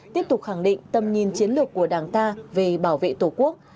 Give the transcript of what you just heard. tiếp tục khẳng định tầm nhìn chiến lược của đảng ta về bảo vệ tổ quốc